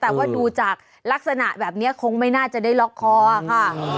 แต่ว่าดูจากลักษณะแบบนี้คงไม่น่าจะได้ล็อกคอค่ะ